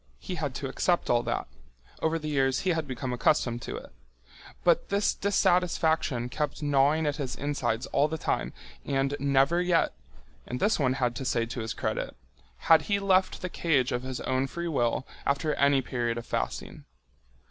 He had to accept all that. Over the years he had become accustomed to it. But this dissatisfaction kept gnawing at his insides all the time and never yet—and this one had to say to his credit—had he left the cage of his own free will after any period of fasting.